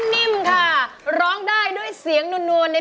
เพลงที่เจ็ดเพลงที่แปดแล้วมันจะบีบหัวใจมากกว่านี้